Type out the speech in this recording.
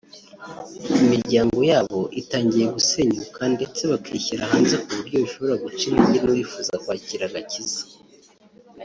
imiryango yabo itangiye gusenyuka ndetse bakishyira hanze ku buryo bishobora guca intege n’uwifuzaga kwakira agakiza